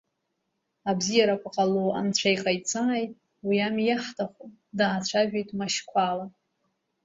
Абзиарақәа ҟало Анцәа иҟаиҵааит, уи ами иаҳҭаху, даацәажәеит Машьқәала…